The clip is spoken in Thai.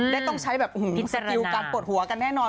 ได้ต้องใช้สกิลการปลดหัวกันแน่นอน